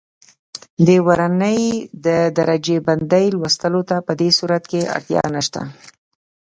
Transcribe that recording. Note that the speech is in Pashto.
د ورنیې د درجه بندۍ لوستلو ته په دې صورت کې اړتیا نه شته.